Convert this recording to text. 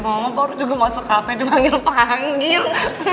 mama baru juga masuk kafe dipanggil panggil